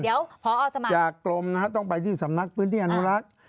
เดี๋ยวพอสมัครจากกลมนะฮะต้องไปที่สำนักพื้นที่อนุรักษ์